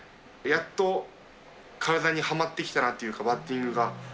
やっと体にはまってきたなというか、バッティングが。